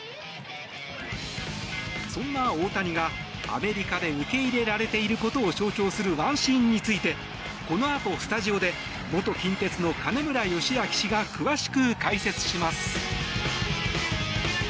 そんな大谷が、アメリカで受け入れられていることを象徴するワンシーンについてこのあと、スタジオで元近鉄の金村義明氏が詳しく解説します。